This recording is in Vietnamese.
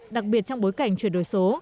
đặc biệt trong bối cảnh chuyển đổi số